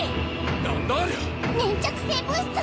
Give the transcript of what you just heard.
何だありゃ⁉粘着性物質！